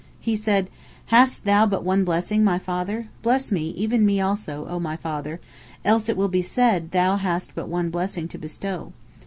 He said: "Hast thou but one blessing, my father? bless me, even me also, O my father, else it will be said thou hast but one blessing to bestow.